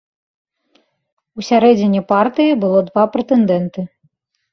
У сярэдзіне партыі было два прэтэндэнты.